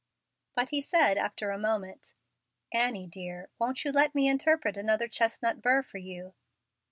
But he said after a moment, "Annie, dear, won't you let me interpret another chestnut burr for you?"